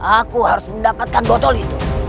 aku harus mendapatkan botol itu